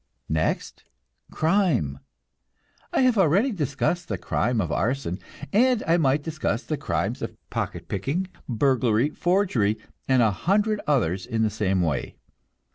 Next, crime. I have already discussed the crime of arson, and I might discuss the crimes of pocket picking, burglary, forgery, and a hundred others in the same way.